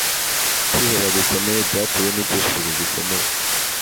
kwiheba gukomeye byatewe nicyifuzo gikomeye